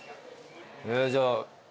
じゃあ。